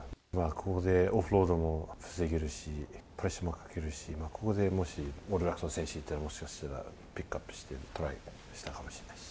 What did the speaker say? ここでオフロードも防げるし、プレッシャーもかけられるし、ここでもし、オールブラックスの選手がいたら、もしかしたら、ピックアップしてトライしたかもしれないです。